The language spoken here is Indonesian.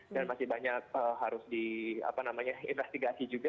dan masih banyak harus di apa namanya investigasi juga